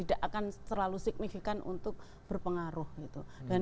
itu yang terlalu signifikan untuk berpengaruh gitu